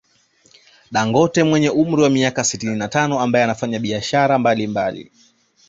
Dangote mwenye umri wa miaka sitini na tano ambaye anafanya biashara mbali mbali